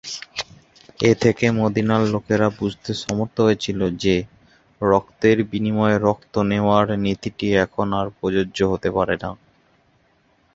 এ থেকে মদিনার লোকেরা বুঝতে সমর্থ হয়েছিল যে, রক্তের বিনিময়ে রক্ত নেওয়ার নীতিটি এখন আর প্রযোজ্য হতে পারে না।